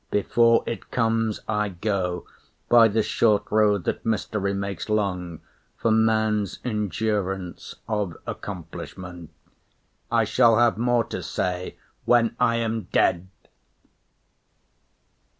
Before it comes, I go By the short road that mystery makes long For man's endurance of accomplishment. I shall have more to say when I am dead.